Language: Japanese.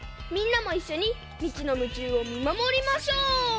みんなもいっしょにミチの夢中をみまもりましょう。